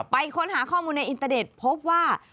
ค้นหาข้อมูลในอินเตอร์เน็ตพบว่า